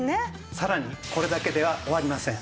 さらにこれだけでは終わりません。